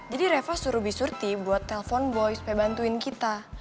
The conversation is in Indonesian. jadi reva suruh bisurti buat telfon boy supaya bantuin kita